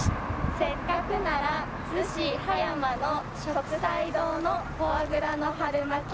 「せっかくなら逗子・葉山の」「食彩堂のフォアグラの春巻き」